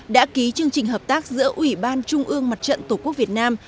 đã ký chương trình hợp tác giữa ủy ban trung ương mặt trận tổ quốc việt nam